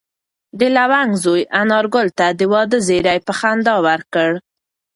د لونګ زوی انارګل ته د واده زېری په خندا ورکړ.